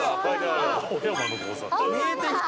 見えてきた！